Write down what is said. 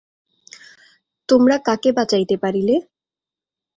তোমরা কাকে বাঁচাইতে পারিলে?